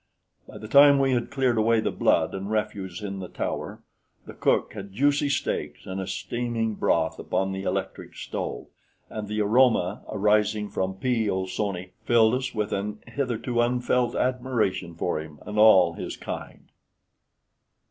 By the time we had cleared away the blood and refuse in the tower, the cook had juicy steaks and a steaming broth upon the electric stove, and the aroma arising from P. Olsoni filled us all with a hitherto unfelt admiration for him and all his kind.